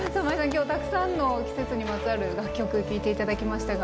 今日たくさんの季節にまつわる楽曲聴いて頂きましたが。